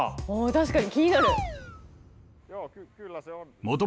確かに気になる！